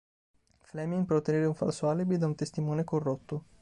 Fleming per ottenere un falso alibi da un testimone corrotto.